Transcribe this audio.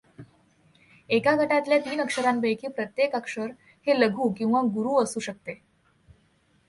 एका गटातल्या तीन अक्षरांपैकी प्रत्येक अक्षर हे लघु किंवा गुरू असू शकते.